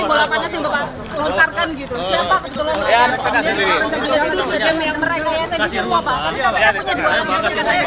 bapak bapak untuk diberikan jangkauannya milik mereka itu pak